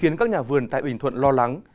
nhà vườn tại bình thuận lo lắng